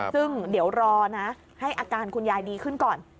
ซึ่งเดี๋ยวรอนะให้อาการคุณยายดีขึ้นก่อน